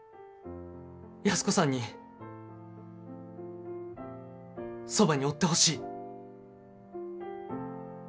安子さんにそばにおってほしい。